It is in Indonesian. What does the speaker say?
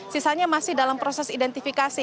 sisanya masih dalam proses identifikasi